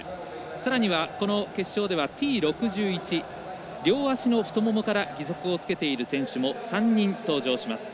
さらにはこの決勝では６１両足の太ももから義足を着けている選手も３人登場します。